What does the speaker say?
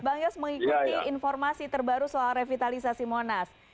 bang yos mengikuti informasi terbaru soal revitalisasi monas